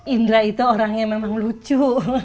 indra itu orangnya memang lucu